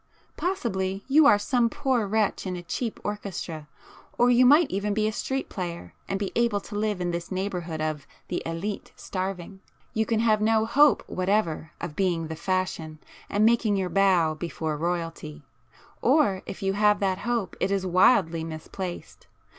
Possibly you are some poor wretch in a cheap orchestra,—or you might even be a street player and be able to live in this neighbourhood of the élite starving,—you can have no hope whatever of being the 'fashion' and making your bow before Royalty,—or if you have that hope, it is wildly misplaced.